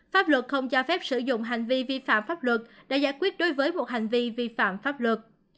pháp luật không cho phép sử dụng hành vi vi phạm pháp luật để giải quyết đối với một hành vi vi phạm pháp luật